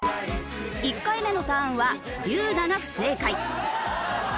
１回目のターンは龍我が不正解。